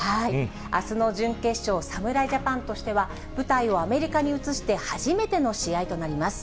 あすの準決勝、侍ジャパンとしては、舞台をアメリカに移して、初めての試合となります。